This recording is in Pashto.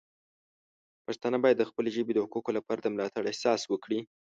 پښتانه باید د خپلې ژبې د حقونو لپاره د ملاتړ احساس وکړي.